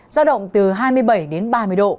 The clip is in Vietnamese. giao động từ hai mươi bảy đến ba mươi độ